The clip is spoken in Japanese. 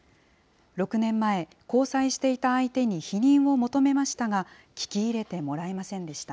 ６年前、交際していた相手に避妊を求めましたが、聞き入れてもらえませんでした。